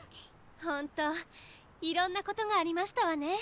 ほんといろんなことがありましたわね。